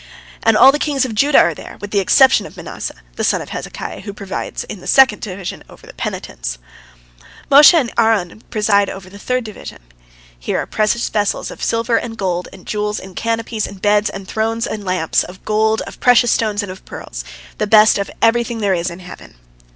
And all the kings of Judah are there, with the exception of Manasseh, the son of Hezekiah, who presides in the second division, over the penitents. Moses and Aaron preside over the third division. Here are precious vessels of silver and gold and jewels and canopies and beds and thrones and lamps, of gold, of precious stones, and of pearls, the best of everything there is in heaven.